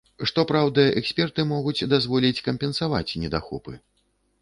Што праўда, эксперты могуць дазволіць кампенсаваць недахопы.